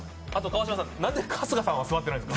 なんで春日さんは座ってないんですか？